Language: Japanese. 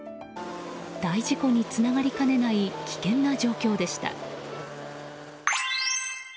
大事故につながりかねない危険な状況でした。